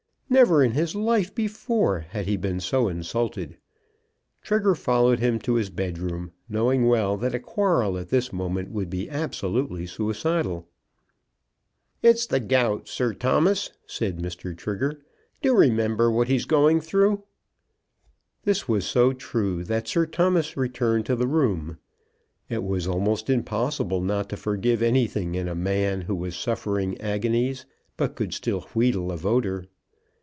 Never in his life before had he been so insulted. Trigger followed him to his bedroom, knowing well that a quarrel at this moment would be absolutely suicidal. "It's the gout, Sir Thomas," said Mr. Trigger. "Do remember what he's going through." This was so true that Sir Thomas returned to the room. It was almost impossible not to forgive anything in a man who was suffering agonies, but could still wheedle a voter.